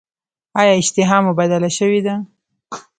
ایا اشتها مو بدله شوې ده؟